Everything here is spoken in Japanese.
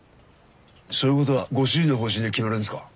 そういうことはご主人の方針で決めるんですか？